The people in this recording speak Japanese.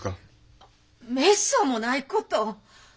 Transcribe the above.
あっめっそうもないこと。